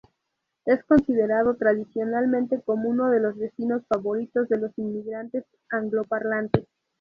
Es considerado tradicionalmente como uno de los destinos favoritos de los inmigrantes angloparlantes.